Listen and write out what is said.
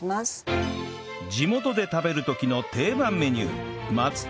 地元で食べる時の定番メニュー